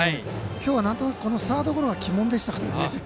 今日はサードゴロが鬼門でしたからね。